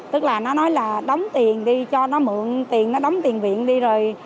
tức là nó nói là đóng tiền đi cho nó mượn tiền nó đóng tiền viện đi rồi